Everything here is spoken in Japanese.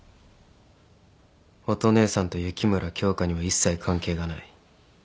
乙姉さんと雪村京花には一切関係がない。